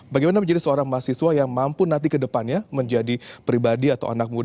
bagaimana menjadi seorang mahasiswa yang mampu nanti ke depannya menjadi pribadi atau anak muda